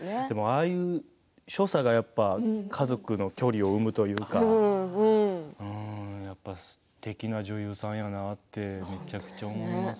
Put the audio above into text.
ああいう所作が家族の距離を生むというかやっぱりすてきな女優さんやなってめちゃくちゃ思います